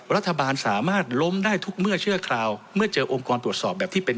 รัฐบาลสามารถล้มได้ทุกเมื่อชั่วคราวเมื่อเจอองค์กรตรวจสอบแบบที่เป็น